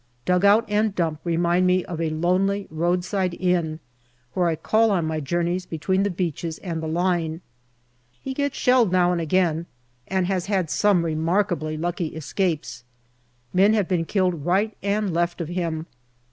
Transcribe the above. Dugout and dump remind me of a lonely roadside inn where I call on my journeys between the beaches and the line. He gets shelled now and again, and has had some remarkably lucky escapes. Men have been killed right and left of him.